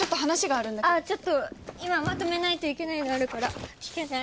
あちょっと今まとめないといけないのあるから聞けない。